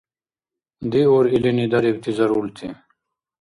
Диур илини дарибти зарулти!